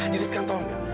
jadi sekarang tolong